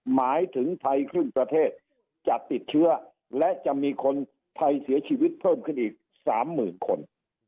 หมายถึงไทยครึ่งประเทศจะติดเชื้อและจะมีคนไทยเสียชีวิตเพิ่มขึ้นอีก๓๐๐๐คน